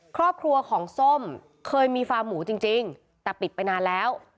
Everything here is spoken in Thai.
ครอบครัวของส้มเคยมีฟาร์หมูจริงแต่ปิดไปนานแล้ว